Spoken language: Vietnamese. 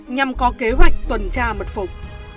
nhằm có kế hoạch tuần tra mật phục